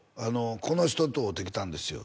この人と会うてきたんですよ